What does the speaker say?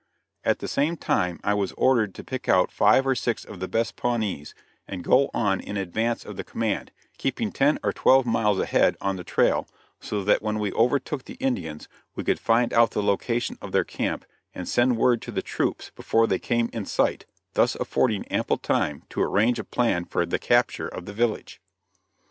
At the same time I was ordered to pick out five or six of the best Pawnees, and go on in advance of the command, keeping ten or twelve miles ahead on the trail, so that when we overtook the Indians we could find out the location of their camp, and send word to the troops before they came in sight, thus affording ample time to arrange a plan for the capture of the village.